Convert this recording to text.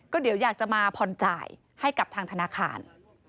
ก็เดี๋ยวอยากจะมาผ่อนจ่ายให้กับทางธนาคาร